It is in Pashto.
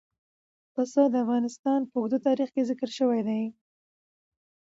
پسه د افغانستان په اوږده تاریخ کې ذکر شوي دي.